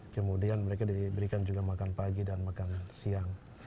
kemudian mereka diberikan juga makan pagi dan makan siang